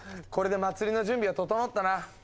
これで祭りの準備は整ったな。